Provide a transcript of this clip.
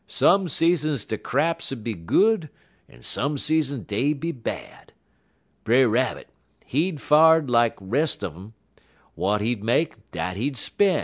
Some seasons der craps 'ud be good, en some seasons dey'd be bad. Brer Rabbit, he far'd lak de res' un um. W'at he'd make, dat he'd spen'.